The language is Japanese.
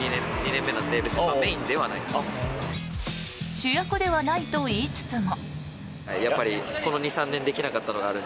主役ではないと言いつつも。